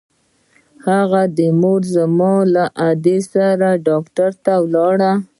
د هغه مور زما له ادې سره ډاکتر ته ولاړه.